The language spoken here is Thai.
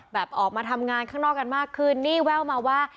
ออกมาทำงานข้างนอกกันมากขึ้นนี่แว่วมาว่า